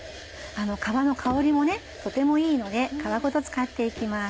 皮の香りもとてもいいので皮ごと使って行きます。